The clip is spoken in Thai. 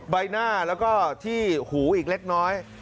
ใบหน้าแล้วก็ที่หูอีกเล็กน้อย